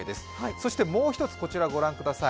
そしてもう一つ、こちらご覧ください。